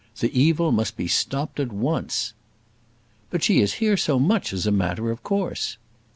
The evil must be stopped at once." "But she is here so much as a matter of course."